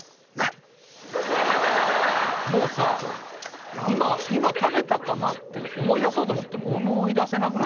もうさ今食べたかなって思い出そうと思っても思い出せなくない？